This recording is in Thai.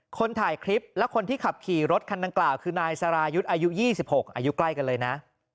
คนถ่ายคลิปและคนที่ขับขี่รถคันดังกล่าวคือนายสรายุทธ์อายุ๒๖อายุใกล้กันเลยนะ